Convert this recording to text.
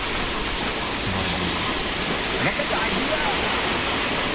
外面落緊大雨呀